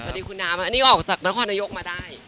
สวัสดีคุณน้ำอันนี้ออกจากนครนายกมาได้